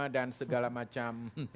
dan segala macam